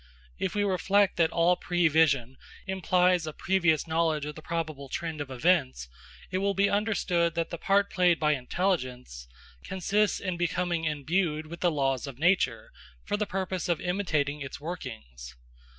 If we reflect that all prevision implies a previous knowledge of the probable trend of events, it will be understood that the part played by intelligence consists in becoming imbued with the laws of nature, for the purpose of imitating its workings.